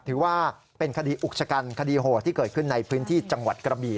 ถือว่าเป็นคดีอุกชะกันคดีโหดที่เกิดขึ้นในพื้นที่จังหวัดกระบี่